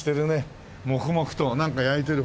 黙々となんか焼いてる。